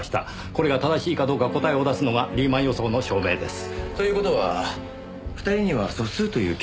これが正しいかどうか答えを出すのがリーマン予想の証明です。という事は２人には素数という共通点があった。